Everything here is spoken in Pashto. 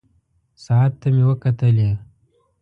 ساعت ته مې وکتلې.